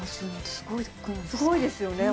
すごいですよね